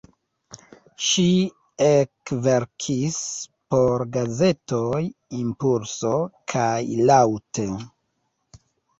Ŝi ekverkis por gazetoj "Impulso" kaj "Laŭte".